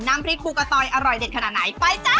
น้ำพริกครูกะตอยอร่อยเด็ดขนาดไหนไปจ้า